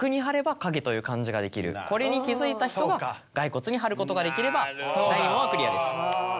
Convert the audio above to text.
これに気付いた人が骸骨に貼ることができれば第２問はクリアです。